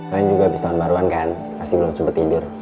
lain juga abis tahun baruan kan pasti belum sempat tidur